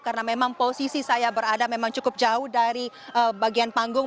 karena memang posisi saya berada memang cukup jauh dari bagian panggung